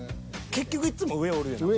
結局いっつも上おるやん。